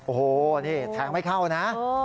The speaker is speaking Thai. โอ้โหนี่แทงไม่เข้านะ